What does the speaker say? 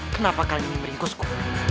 kenapa kalian ingin meringkusku